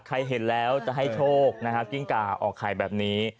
เห็นแล้วจะให้โชคนะฮะกิ้งกาออกไข่แบบนี้